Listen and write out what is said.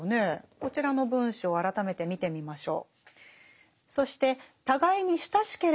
こちらの文章を改めて見てみましょう。